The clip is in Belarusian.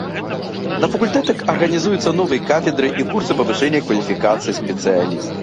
На факультэтах арганізуюцца новыя кафедры і курсы павышэння кваліфікацыі спецыялістаў.